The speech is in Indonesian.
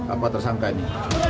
apa tersangka ini